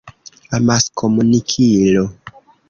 amaskomunikilo